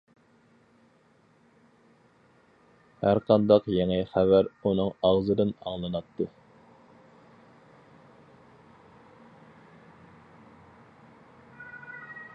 ھەرقانداق يېڭى خەۋەر ئۇنىڭ ئاغزىدىن ئاڭلىناتتى.